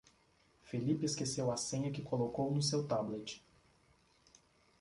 Felipe esqueceu a senha que colocou no seu tablet.